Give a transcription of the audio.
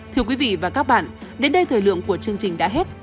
thưa quý vị và các bạn đến đây thời lượng của chương trình đã hết